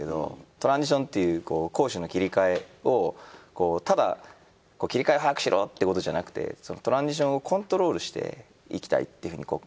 トランジションっていう攻守の切り替えをただ切り替えを早くしろってことじゃなくてトランジションをコントロールしていきたいっていうふうにこう。